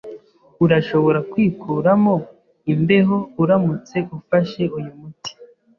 Urashobora kwikuramo imbeho uramutse ufashe uyu muti.